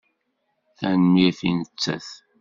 Tanemmirt i nettat.